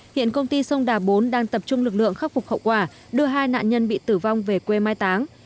hiện công ty sông đà bốn đang tập trung lực lượng khắc phục hậu quả đưa hai nạn nhân bị tử vong về quê mai táng